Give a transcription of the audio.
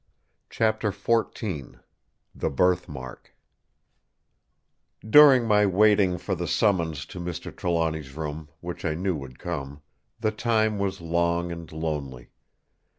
Chapter XIV The Birth Mark During my waiting for the summons to Mr. Trelawny's room, which I knew would come, the time was long and lonely.